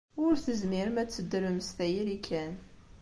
Ur tezmirem ad teddrem s tayri kan.